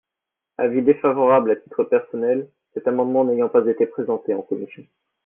Avis défavorable à titre personnel, cet amendement n’ayant pas été présenté en commission.